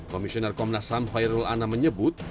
komisioner komnas sam khairul ana menyebut